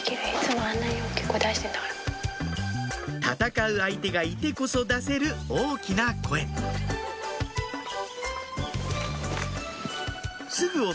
戦う相手がいてこそ出せる大きな声すぐ